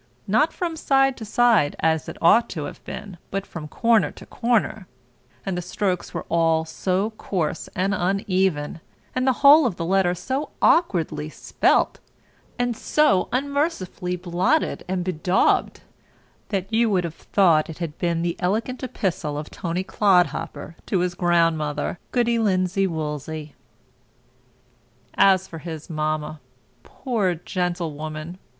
e. not from side to side as it ought to have been, but from corner to corner) and the strokes were all so coarse and uneven, and the whole of the letter so awkwardly spelt, and so unmercifully blotted and bedawbed, that you would have thought it had been the elegant epistle of Tony Clodhopper to his grandmother Goody Linsey Woolsey. As for his mamma, poor gentlewoman!